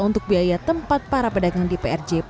untuk biaya tempat para pedagang di prj